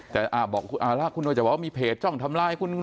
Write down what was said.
แต่อ่ะบอกอ่าล่ะคุณก็จะบอกว่ามีเพจจ้องทำลาย